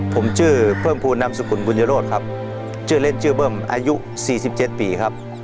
ผมชื่อเพิ่มพูนนามสุขุนกุญโยโรธครับชื่อเล่นชื่อเพิ่มอายุ๔๗ปีครับ